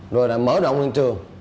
rồi là mở động hướng trường